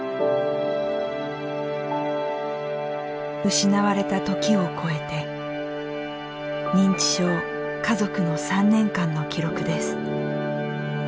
失われた時をこえて認知症家族の３年間の記録です。